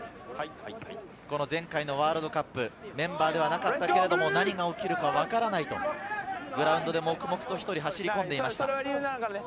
前回のワールドカップ、メンバーではなかったけれども、何が起きるかわからないと、グラウンドで黙々と１人、走り込んでいました。